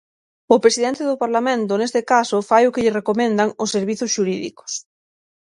O presidente do Parlamento neste caso fai o que lle recomendan os servizos xurídicos.